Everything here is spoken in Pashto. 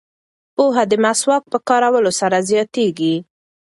پوهه د مسواک په کارولو سره زیاتیږي.